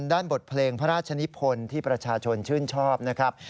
ด้านบทเพลงพระราชนิพลที่ประชาชนชื่นชอบนะครับ